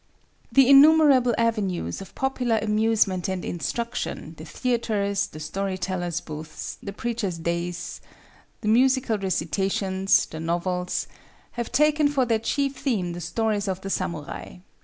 The innumerable avenues of popular amusement and instruction—the theatres, the story teller's booths, the preacher's dais, the musical recitations, the novels—have taken for their chief theme the stories of the samurai.